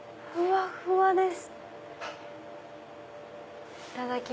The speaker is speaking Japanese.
ふわふわです！